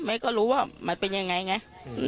ก็รู้ว่ามันเป็นยังไงไง